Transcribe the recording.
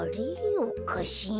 おかしいな。